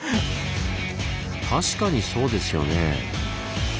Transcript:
確かにそうですよね。